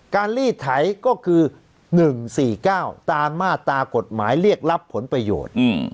ลีดไถก็คือ๑๔๙ตามมาตรากฎหมายเรียกรับผลประโยชน์